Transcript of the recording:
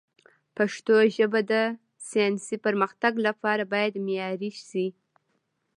پښتو ژبه د ساینسي پرمختګ لپاره باید معیاري شي.